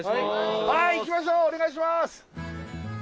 はいいきましょうお願いします。